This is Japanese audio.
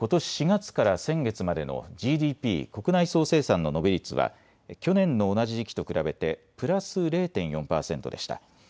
４月から先月までのＧＤＰ・国内総生産の伸び率は去年の同じ時期と比べてプラス０．４％でした。